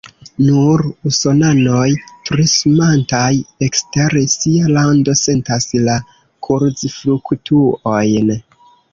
Nur usonanoj turismantaj ekster sia lando sentas la kurzfluktuojn.